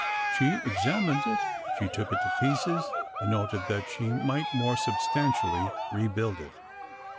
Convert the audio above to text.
She examined it, she took it to pieces, in order that she might more substantially rebuild it.